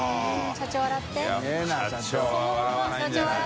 社長笑って！